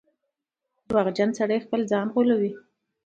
• دروغجن سړی خپل ځان غولوي.